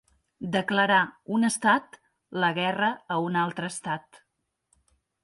Declarar, un estat, la guerra a un altre estat.